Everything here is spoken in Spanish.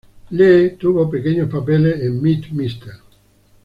Lee tuvo pequeños papeles en "Meet Mr.